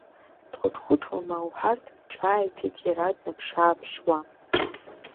Дхәыҭхәыҭуама уҳәартә ҿааиҭит иара, днаԥшы-ааԥшуа.